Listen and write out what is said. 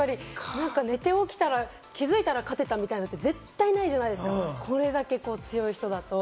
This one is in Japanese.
寝て起きたら、気づいたら勝ってたみたいなことって絶対ないじゃないですか、これだけ強い人だと。